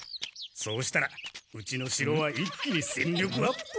そうしたらうちの城は一気に戦力アップ。